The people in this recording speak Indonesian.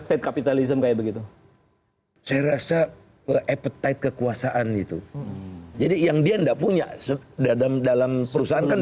state capitalism kayak begitu saya rasa appetite kekuasaan itu jadi yang dia enggak punya dalam dalam perusahaan kan